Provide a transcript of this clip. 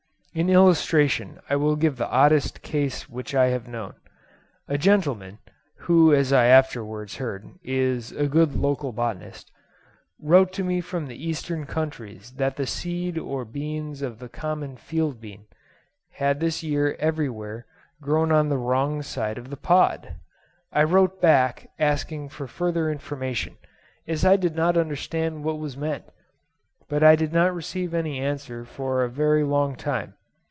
In illustration, I will give the oddest case which I have known. A gentleman (who, as I afterwards heard, is a good local botanist) wrote to me from the Eastern counties that the seed or beans of the common field bean had this year everywhere grown on the wrong side of the pod. I wrote back, asking for further information, as I did not understand what was meant; but I did not receive any answer for a very long time.